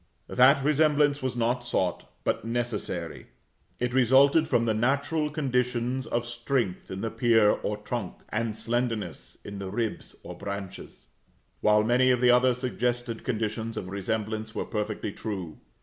That resemblance was not sought, but necessary; it resulted from the natural conditions of strength in the pier or trunk, and slenderness in the ribs or branches, while many of the other suggested conditions of resemblance were perfectly true.